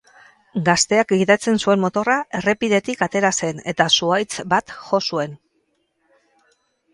Gazteak gidatzen zuen motorra errepidetik atera zen eta zuhaitz bat jo zuen.